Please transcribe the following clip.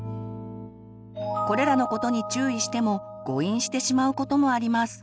これらのことに注意しても誤飲してしまうこともあります。